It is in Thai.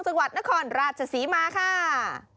จังหวัดนครราชศรีมาค่ะ